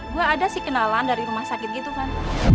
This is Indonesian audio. gue ada sih kenalan dari rumah sakit gitu kan